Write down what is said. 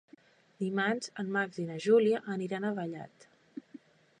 Dimarts en Max i na Júlia aniran a Vallat.